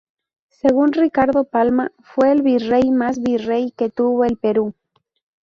Según Ricardo Palma "fue el virrey más virrey que tuvo el Perú".